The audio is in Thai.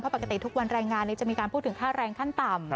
ปกติทุกวันแรงงานจะมีการพูดถึงค่าแรงขั้นต่ำ